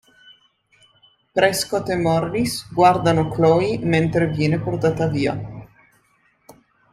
Prescott e Morris guardano Chloe mentre viene portata via.